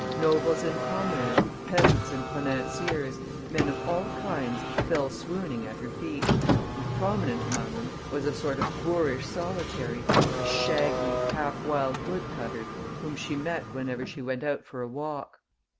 Nobles and commoners, peasants and financiers, men of all kinds fell swooning at her feet; and prominent among them was a sort of boorish solitary, a shaggy, half wild woodcutter, whom she met whenever she went out for a walk.